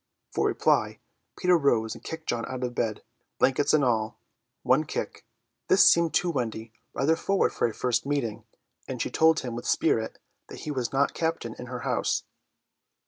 For reply Peter rose and kicked John out of bed, blankets and all; one kick. This seemed to Wendy rather forward for a first meeting, and she told him with spirit that he was not captain in her house.